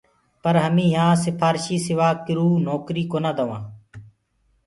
پر همي يهآنٚ سِپهارشي سِوا ڪِرو نوڪريٚ ڪونآ دوآنٚ۔